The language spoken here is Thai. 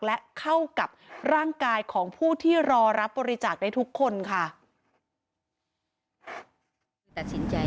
และเข้ากับร่างกายของผู้ที่รอรับบริจาคได้ทุกคนค่ะ